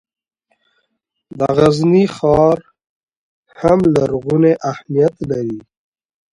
د غزني ښار هم لرغونی اهمیت لري.